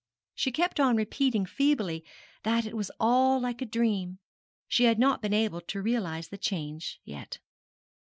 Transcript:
She kept on repeating feebly that it was all like a dream she had not been able to realise the change yet.